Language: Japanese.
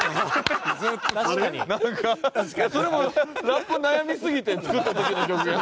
それもラップ悩みすぎて作った時の曲。